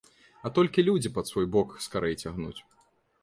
А толькі людзі пад свой бок скарэй цягнуць.